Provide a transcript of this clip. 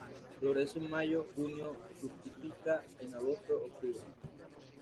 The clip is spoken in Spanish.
Florece en Mayo-junio, fructifica en Agosto-octubre.